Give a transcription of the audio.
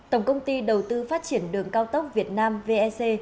tổng công ty đầu tư phát triển đường cao tốc việt nam vec